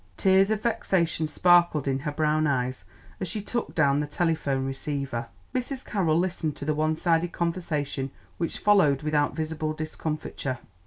Tears of vexation sparkled in her brown eyes, as she took down the telephone receiver. Mrs. Carroll listened to the one sided conversation which followed without visible discomfiture.